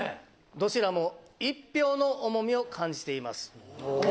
どちらもイッピョウの重みを感じています。